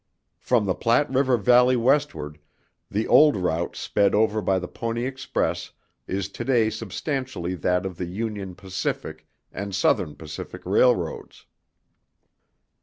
From the Platte River valley westward, the old route sped over by the Pony Express is today substantially that of the Union Pacific and Southern Pacific Railroads.